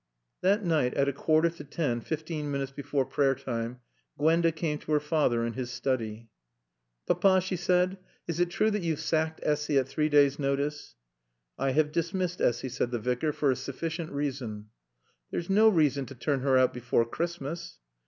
That night, at a quarter to ten, fifteen minutes before prayer time, Gwenda came to her father in his study. "Papa," she said, "is it true that you've sacked Essy at three days' notice?" "I have dismissed Essy," said the Vicar, "for a sufficient reason." "There's no reason to turn her out before Christmas."